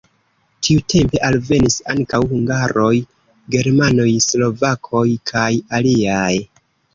Tiutempe alvenis ankaŭ hungaroj, germanoj, slovakoj kaj aliaj.